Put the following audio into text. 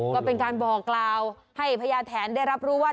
ก็เป็นการบอกกล่าวให้พญาแถนได้รับรู้ว่า